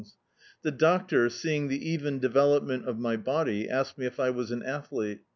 Tlie doctor, seeing the even develop ment of my body, asked me if I was an athlete.